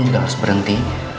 juga harus berhenti